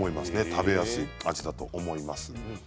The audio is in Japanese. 食べやすい味だと思います。